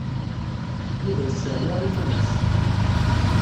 Yuba yesseɛya iman-is.